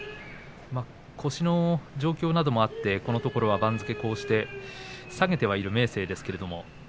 腰の状況などもあってこのところ番付下げてはいる明生ですが。